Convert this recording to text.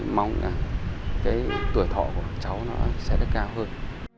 mong là tuổi thọ của cháu nó sẽ được cao hơn